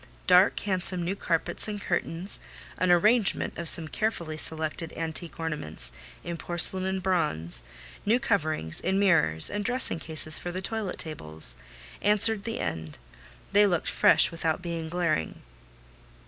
Dark handsome new carpets and curtains, an arrangement of some carefully selected antique ornaments in porcelain and bronze, new coverings, and mirrors, and dressing cases, for the toilet tables, answered the end: they looked fresh without being glaring.